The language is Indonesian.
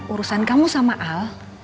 urusan kamu sama al